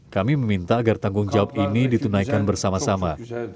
kami meminta agar tanggung jawab ini ditunaikan bersama sama